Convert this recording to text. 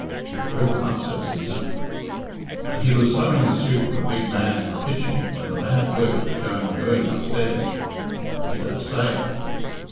"Truth enough," said Cæsar. "And he was sewing a suit for the big man in the kitchen when the bad work was going doing upstairs." "You don't say!"